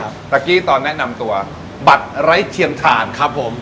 ตะกี้ตอนแนะนำตัวบัตรไร้เทียมทานครับผม